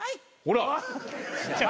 ほら。